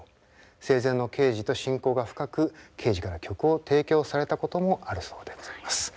生前のケージと親交が深くケージから曲を提供されたこともあるそうでございます。